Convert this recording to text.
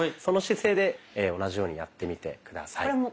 その姿勢で同じようにやってみて下さい。